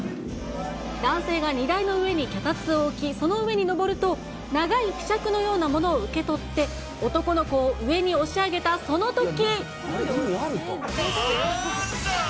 男性が荷台の上に脚立を置き、その上に上ると、長いひしゃくのようなものを受け取って、男の子を上に押し上げたそのとき。